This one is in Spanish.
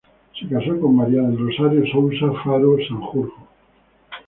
Se casó con María del Rosario Sousa Faro Sanjurjo.